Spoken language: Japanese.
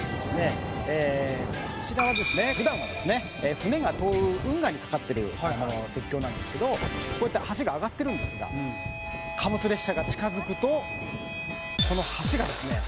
船が通る運河に架かってる鉄橋なんですけどこうやって橋が上がってるんですが貨物列車が近付くとこの橋がですね」